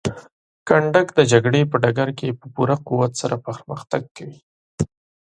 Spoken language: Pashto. کنډک د جګړې په ډګر کې په پوره قوت سره پرمختګ کوي.